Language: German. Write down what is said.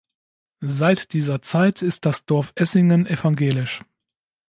Seit dieser Zeit ist das Dorf Essingen evangelisch.